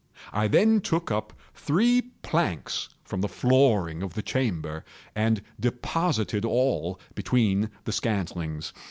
I then took up three planks from the flooring of the chamber, and deposited all between the scantlings.